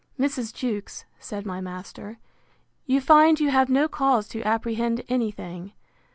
Mrs. Jewkes, said my master, you find you have no cause to apprehend any thing.